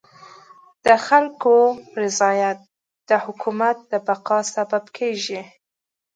د خلکو رضایت د حکومت د بقا سبب کيږي.